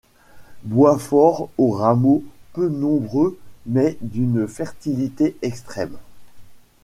Bois fort aux rameaux peu nombreux mais d'une fertilité extrême.